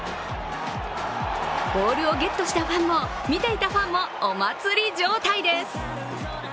ボールをゲットしたファンも見ていたファンもお祭り状態です。